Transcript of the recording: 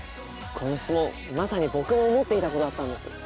この質問まさに僕も思っていたことだったんです。